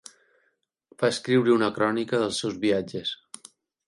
Va escriure una crònica dels seus viatges.